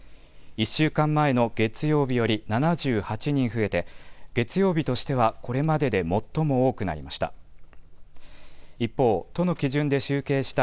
１週間前の月曜日より７８人増えて、月曜日としてはこれまでで最も多くなりました。